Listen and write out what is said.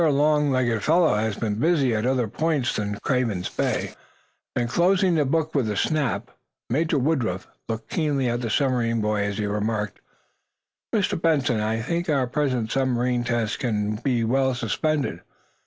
"Your long legged fellow has been busy at other points than Craven's Bay." Then, closing the book with a snap, Major Woodruff looked keenly at the submarine boy as he remarked: "Mr. Benson, I think our present submarine tests can be well suspended.